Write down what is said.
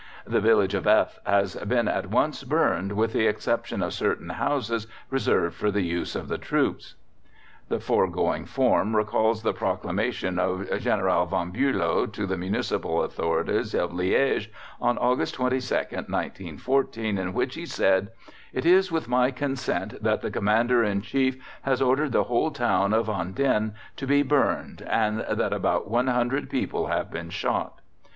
_The village of F......... has been at once burned with the exception of certain houses reserved for the use of the troops._" The foregoing form recalls the Proclamation of General von Buelow to the Municipal Authorities of Liege, on August 22nd, 1914, in which he said: "_It is with my consent that the Commander in Chief has ordered the whole town (of Andenne) to be burned and that about one hundred people have been shot.